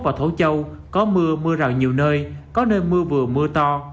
và thổ châu có mưa mưa rào nhiều nơi có nơi mưa vừa mưa to